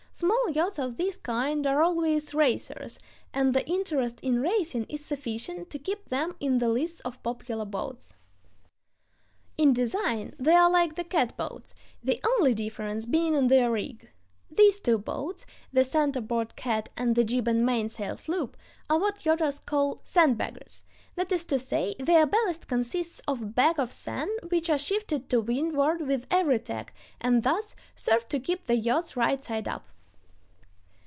Small yachts of this kind are always racers, and the interest in racing is sufficient to keep them in the lists of popular boats. In design they are like the catboats, the only difference being in their rig. These two boats, the center board cat and the jib and mainsail sloop, are what yachters call "sandbaggers"; that is to say, their ballast consists of bags of sand which are shifted to windward with every tack and thus serve to keep the yachts right side up.